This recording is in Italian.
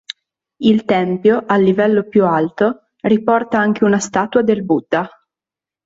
Il tempio, al livello più alto, riporta anche una statua del Buddha.